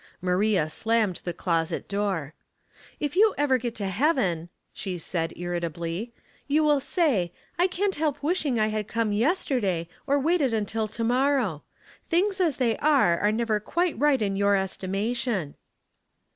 Maria slammed the closet door. " If you ever get to heaven," she said, irritably, " you will say, ' I can't help wishing I had come yesterday, or waited until to morrow.' Things as they are^ are never quite right in your estimation."